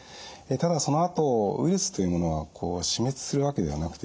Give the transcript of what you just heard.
ただそのあとウイルスというものは死滅するわけではなくてですね